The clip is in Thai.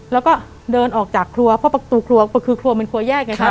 แล้วก็เดินออกจากครัวเพราะประตูครัวคือครัวมันครัวแยกไงครับ